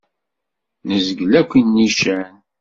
Nezgel akk nnican.